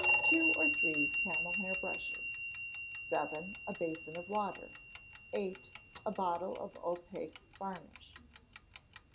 Two or three camel hair brushes. vii. A basin of water. viii. A bottle of opaque varnish.